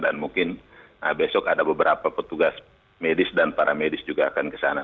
dan mungkin besok ada beberapa petugas medis dan para medis juga akan ke sana